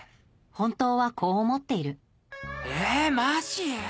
本当はこう思っているえマジ？